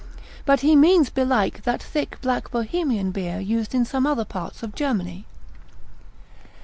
But he means belike that thick black Bohemian beer used in some other parts of Germany.